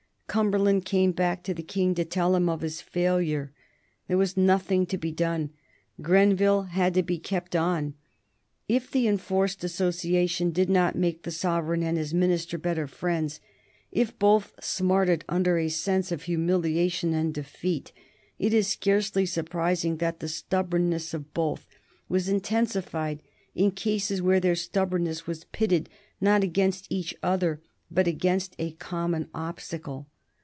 Cumberland came back to the King to tell of his failure. There was nothing to be done. Grenville had to be kept on. If the enforced association did not make the sovereign and his minister better friends, if both smarted under a sense of humiliation and defeat, it is scarcely surprising that the stubbornness of both was intensified in cases where their stubbornness was pitted not against each other, but against a common obstacle.